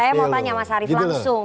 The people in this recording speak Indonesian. saya mau tanya mas arief langsung